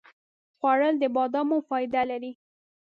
خوړل د بادامو فایده لري